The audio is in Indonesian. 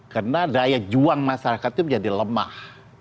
karena daya juang masyarakat itu menjadi lemah